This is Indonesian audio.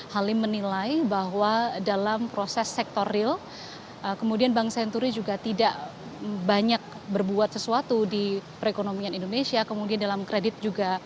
halim menilai bahwa dalam proses sektor real kemudian bank senturi juga tidak banyak berbuat sesuatu di perekonomian indonesia kemudian dalam kredit juga